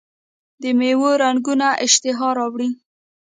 د میوو رنګونه اشتها راوړي.